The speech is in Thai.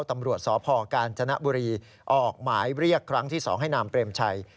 ตำรวจสพกาญจนบุรีออกหมายเรียกครั้งที่๒ให้นามเปรมชัย